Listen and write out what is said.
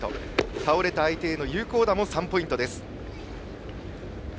倒れた相手への有効打も３ポイント。